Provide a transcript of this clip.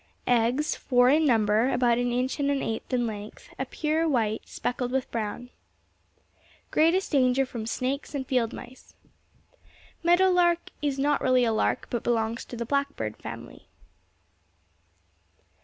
Eggs four in number about an inch and an eighth in length, a pure white, speckled with brown. Greatest danger from snakes and field mice. Meadow lark is not really a lark, but belongs to the blackbird family.